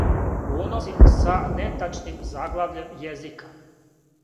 Уноси са нетачним заглављем језика